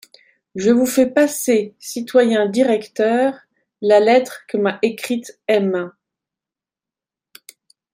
Je vous fais passer, citoyens directeurs, la lettre que m'a écrite M.